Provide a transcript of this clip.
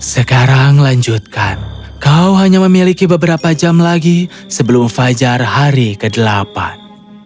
sekarang lanjutkan kau hanya memiliki beberapa jam lagi sebelum fajar hari ke delapan